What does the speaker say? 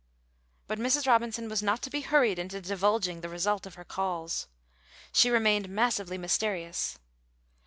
But Mrs. Robinson was not to be hurried into divulging the result of her calls. She remained massively mysterious.